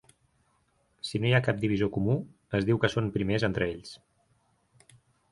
Si no hi ha cap divisor comú, es diu que són primers entre ells.